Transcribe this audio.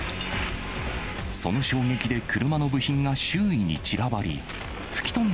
その衝撃で車の部品が周囲に散らばり、吹き飛んだ